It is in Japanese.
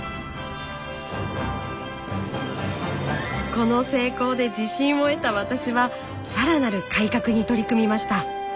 この成功で自信を得た私は更なる改革に取り組みました。